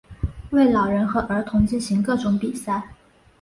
为老人和儿童进行各种比赛。